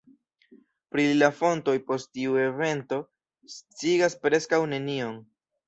Pri li la fontoj, post tiu evento, sciigas preskaŭ nenion.